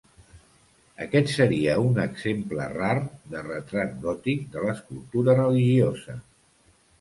Aquest seria un exemple rar de retrat gòtic de l'escultura religiosa.